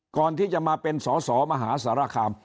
ก่อนที่จะมาเป็นสอสอมหาสารคาม